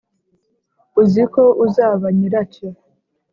uziko uzaba nyiracyo.